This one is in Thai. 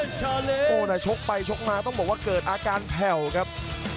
โอ๊โดน่าจะชกไปชกมาต้องบอกว่าเกิดอาการแผ่วครับ